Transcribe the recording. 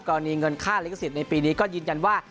เงินค่าลิขสิทธิ์ในปีนี้ก็ยืนยันว่า